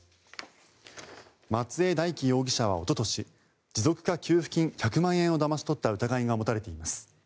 松江大樹容疑者はおととし持続化給付金１００万円をだまし取った疑いが持たれています。